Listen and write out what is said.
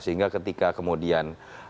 sehingga ketika kemudian